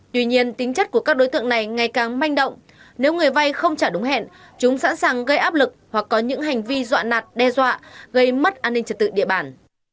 tuy nhiên tính chất của các đối tượng này ngày càng manh động nếu người vay không trả đúng hẹn chúng sẵn sàng gây áp lực hoặc có những hành vi dọa nạt đe dọa gây mất an ninh trật tự địa bàn